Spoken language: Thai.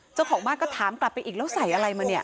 เจ้าของบ้านก็ถามกลับไปอีกแล้วใส่อะไรมาเนี่ย